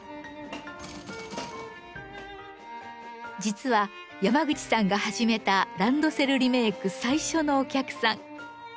実は山口さんが始めたランドセルリメーク最初のお客さん。